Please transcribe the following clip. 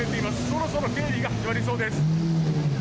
そろそろ警備が始まりそうです。